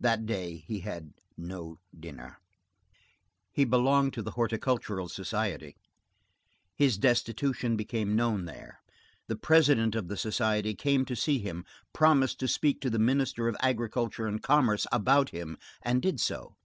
That day he had no dinner. He belonged to the Horticultural Society. His destitution became known there. The president of the society came to see him, promised to speak to the Minister of Agriculture and Commerce about him, and did so.